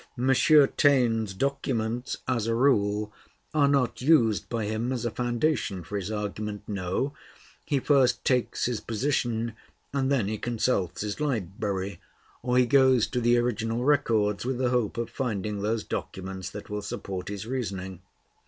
Taine's documents as a rule are not used by him as a foundation for his argument; no, he first takes his position, and then he consults his library, or he goes to the original records, with the hope of finding those documents that will support his reasoning.